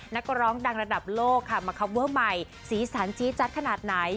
นักร้องดังระดับโลกค่ะมาคับเวอร์ใหม่สีสันจีจัดขนาดไหน